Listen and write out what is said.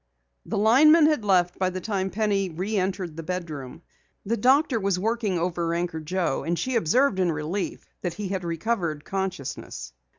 The linemen had left by the time Penny reentered the bedroom. The doctor was working over Anchor Joe, and she observed in relief that he had recovered consciousness.